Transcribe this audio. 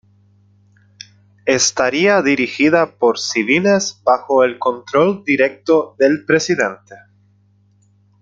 Estaría dirigida por civiles bajo el control directo del presidente.